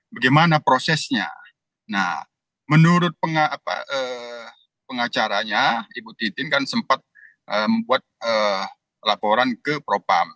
bagaimana prosesnya nah menurut pengacaranya ibu titin kan sempat membuat laporan ke propam